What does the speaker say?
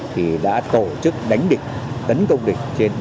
thì đã tổ chức đánh địch tấn công địch